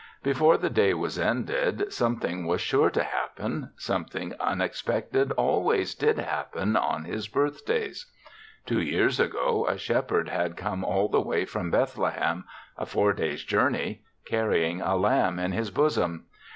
Before the day was ended some thing was sure to happen ; something \ 6 THE SEVENTH CHRISTMAS unexpected always did happen on his birthdays. Two years ago a shep herd had come all the way from Bethlehem, a four days' journey, car rying a lamb in his bosom.